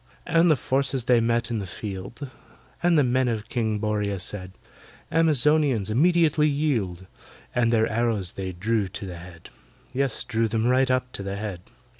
And the forces they met in the field:— And the men of KING BORRIA said, "Amazonians, immediately yield!" And their arrows they drew to the head— Yes, drew them right up to the head.